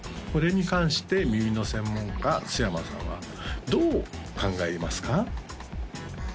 これに関して耳の専門家須山さんはどう考えますか？